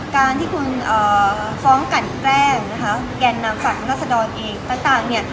การที่คุณฟ้องกันแจ้งนะคะแก่นนามฝากอนักษรดองศ์เองต่างเนี่ย